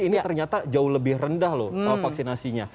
ini ternyata jauh lebih rendah loh vaksinasinya